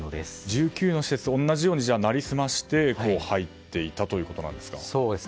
１９の施設で同じようになりすまして入っていたということなんですか。